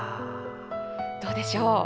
どうでしょう。